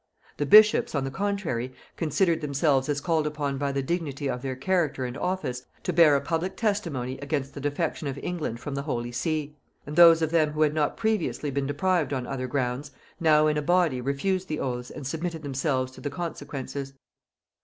The bishops, on the contrary, considered themselves as called upon by the dignity of their character and office to bear a public testimony against the defection of England from the holy see; and those of them who had not previously been deprived on other grounds, now in a body refused the oaths and submitted themselves to the consequences.